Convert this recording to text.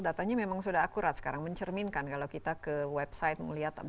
datanya memang sudah akurat sekarang mencerminkan kalau kita ke website melihat